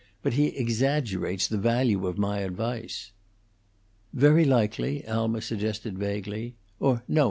But he exaggerates the value of my advice." "Very likely," Alma suggested, vaguely. "Or, no!